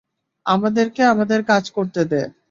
আমাদেরকে আমাদের কাজ করতে দে।